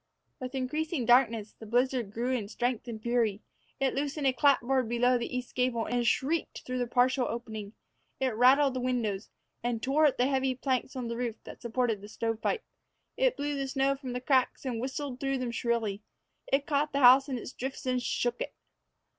With increasing darkness, the blizzard grew in strength and fury. It loosened a clapboard below the east gable, and shrieked through the partial opening. It rattled the window, and tore at the heavy planks on the roof that supported the stovepipe. It blew the snow from the cracks and whistled through them shrilly. It caught the house in its drifts and shook it.